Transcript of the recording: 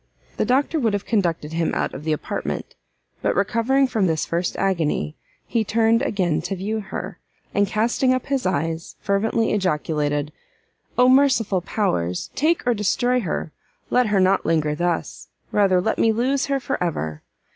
The doctor would have conducted him out of the apartment; but, recovering from this first agony, he turned again to view her, and casting up his eyes, fervently ejaculated, "Oh merciful powers! Take, or destroy her! let her not linger thus, rather let me lose her for ever!